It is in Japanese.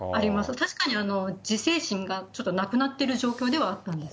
確かに自制心がちょっとなくなってる状況ではあったんです。